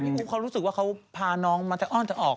อุ๊บเขารู้สึกว่าเขาพาน้องมาแต่อ้อนจะออก